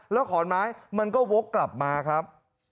แล้วขอนไม้มันก็วกกลับมาครับ